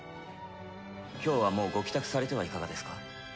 今日はもうご帰宅されてはいかがですか？